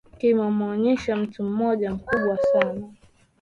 kimemwonyesha mtu moja mkubwa sana